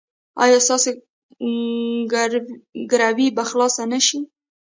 ایا ستاسو ګروي به خلاصه نه شي؟